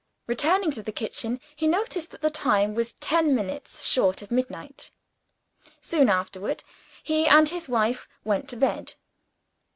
Returning to the kitchen, he noticed that the time was ten minutes short of midnight. Soon afterward, he and his wife went to bed.